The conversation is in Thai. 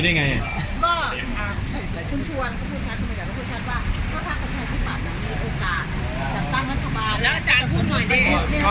แล้วอาจารย์พูดหน่อยด้วย